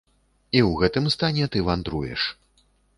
І ў гэтым стане ты вандруеш.